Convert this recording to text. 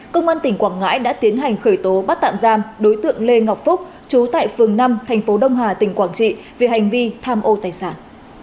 công an tỉnh quảng ngãi đã tiến hành khởi tố bắt tạm giam đối tượng lê ngọc phúc chú tại phường năm thành phố đông hà tỉnh quảng trị về hành vi tham ô tài sản